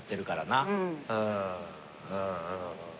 うんうん。